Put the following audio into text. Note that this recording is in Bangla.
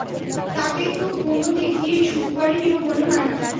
তাকে তো কোনো দিক দিয়েই সুপারহিরো মনে হয় না।